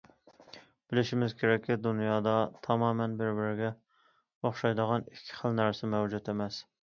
بىلىشىمىز كېرەككى، دۇنيادا تامامەن بىر- بىرىگە ئوخشايدىغان ئىككى خىل نەرسە مەۋجۇت ئەمەس.